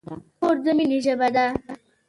خور د مینې ژبه ده.